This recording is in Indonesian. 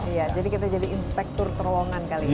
iya jadi kita jadi inspektur terowongan kali ya